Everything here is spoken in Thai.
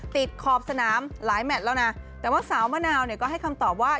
ขอบสนามหลายแมทแล้วนะแต่ว่าสาวมะนาวเนี่ยก็ให้คำตอบว่า